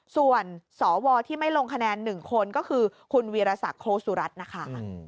ส่วนสวที่ไม่ลงคะแนน๑คนก็คือคุณวีรศักดิ์โคสุรัตน์นะคะ